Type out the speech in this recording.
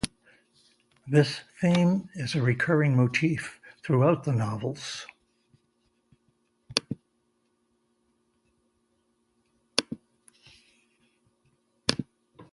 This theme is a recurring motif throughout the novels.